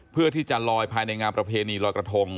เพื่อที่จะลอยภายในงานประเพณีลอยกระทง